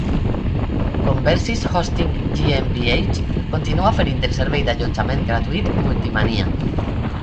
Conversis hosting GmbH continua oferint el servei d'allotjament gratuït MultiMania.